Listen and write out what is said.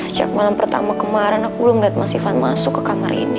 sejak malam pertama kemarin aku belum melihat mas ivan masuk ke kamar ini